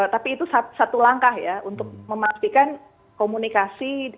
tapi itu satu langkah ya untuk memastikan komunikasi